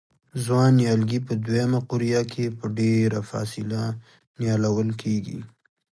ځوان نیالګي په دوه یمه قوریه کې په ډېره فاصله نیالول کېږي.